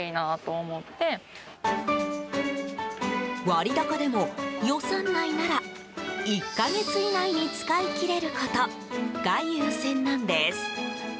割高でも予算内なら１か月以内に使い切れることが優先なんです。